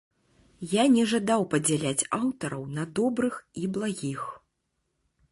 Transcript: Я не жадаў падзяляць аўтараў на добрых і благіх.